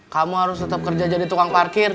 kamu harus tetap kerja jadi tukang parkir